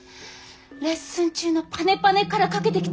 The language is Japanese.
レッスン中のパネパネからかけてきたんです。